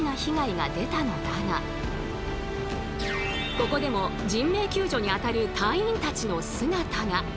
ここでも人命救助に当たる隊員たちの姿が。